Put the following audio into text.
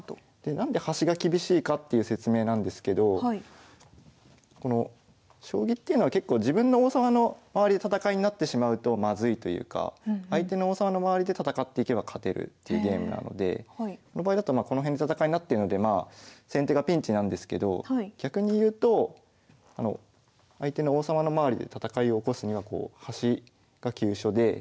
何で端が厳しいかっていう説明なんですけどこの将棋っていうのは結構自分の王様の周りで戦いになってしまうとまずいというか相手の王様の周りで戦っていけば勝てるっていうゲームなのでこの場合だとこの辺で戦いになってるので先手がピンチなんですけど逆にいうと相手の王様の周りで戦いを起こすには端が急所で。